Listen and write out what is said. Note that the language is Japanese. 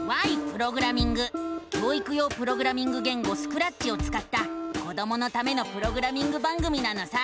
教育用プログラミング言語「スクラッチ」をつかった子どものためのプログラミング番組なのさ！